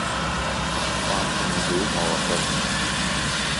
با آنچه میگویید موافقم.